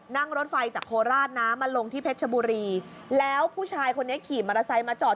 นั่งรถไฟจากโคราชนะมาลงที่เพชรชบุรีแล้วผู้ชายคนนี้ขี่มอเตอร์ไซค์มาจอด